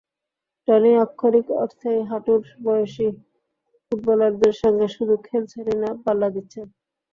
Tony আক্ষরিক অর্থেই হাঁটুর বয়সী ফুটবলারদের সঙ্গে শুধু খেলছেনই না, পাল্লা দিচ্ছেন।